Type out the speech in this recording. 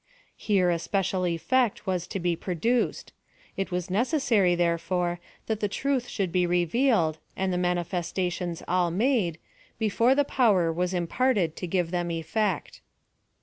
Here a special effect was to be produced ; it was necessary, therefore, that the truth should be revealed, and the manifestations all made, before the power was imparted to give them effect.